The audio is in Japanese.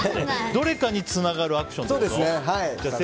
どれかにつながるアクションってこと？